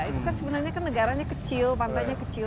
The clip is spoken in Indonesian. itu kan sebenarnya kan negaranya kecil pantainya kecil